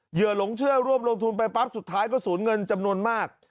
เหยหลงเชื่อร่วมลงทุนไปปั๊บสุดท้ายก็สูญเงินจำนวนมาก